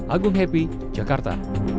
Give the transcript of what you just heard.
agung happy jakarta